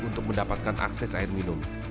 untuk mendapatkan akses air minum